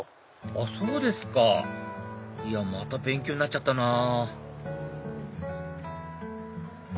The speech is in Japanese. あっそうですかまた勉強になっちゃったなぁ